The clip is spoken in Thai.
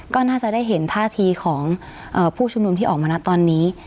ก็น่าจะได้เห็นท่าทีของผู้ชุมนุมที่ออกมานะตอนนี้